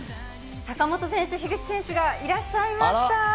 坂本選手と樋口選手がいらっしゃいました。